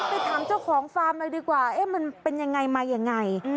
ไปถามเจ้าของฟาร์มหน่อยดีกว่าเอ๊ะมันเป็นยังไงมายังไง